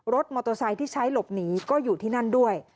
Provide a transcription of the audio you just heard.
รถมอเตอร์ไซค์ที่ใช้หลบหนีก็อยู่ที่นั่นด้วย